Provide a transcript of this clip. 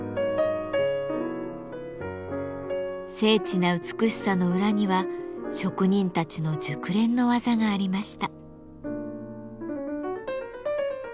精緻な美しさの裏には職人たちの熟練の技がありました。